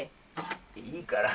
いいから。